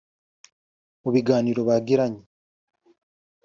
Mu biganiro bagiranye